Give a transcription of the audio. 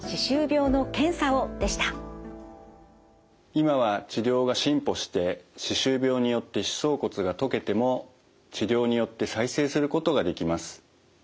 今は治療が進歩して歯周病によって歯槽骨が溶けても治療によって再生することができます。